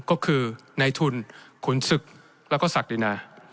ก็คือในทุนขุนศึกแล้วก็ศักดินา